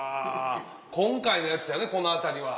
今回のやつやねこの辺りは。